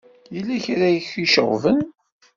Yella kra i k-iceɣben?